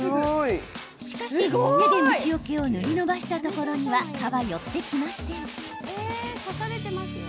しかし、手で虫よけを塗りのばしたところには蚊は寄ってきません。